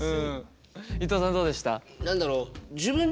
伊藤さんどうでした？